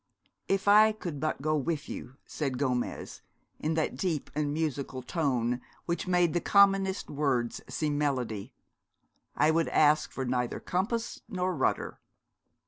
'If I could but go with you,' said Gomez, in that deep and musical tone which made the commonest words seem melody, 'I would ask for neither compass nor rudder.